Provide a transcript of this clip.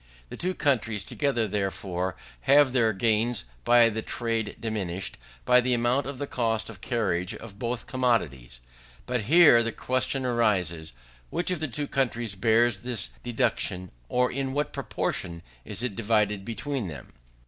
The two countries together, therefore, have their gains by the trade diminished, by the amount of the cost of carriage of both commodities. But here the question arises, which of the two countries bears this deduction, or in what proportion it is divided between them.